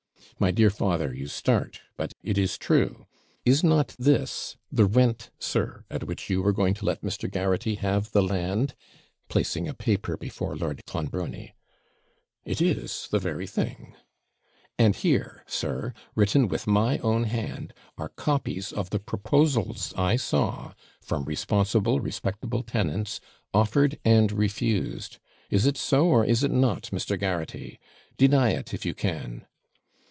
My dear father, you start but it is true. Is not this the rent, sir, at which you were going to let Mr. Garraghty have the land?' placing a paper before Lord Clonbrony. 'It is the very thing.' 'And here, sir, written with my own hand, are copies of the proposals I saw, from responsible, respectable tenants, offered and refused. Is it so, or is it not, Mr. Garraghty? deny it, if you can.'